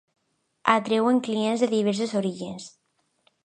Atreuen clients de diversos orígens.